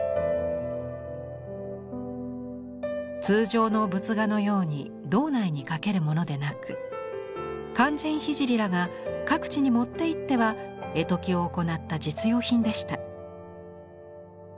通常の仏画のように堂内に掛けるものでなく勧進聖らが各地に持っていっては絵解きを行った実用品でした。